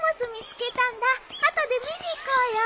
後で見に行こうよ。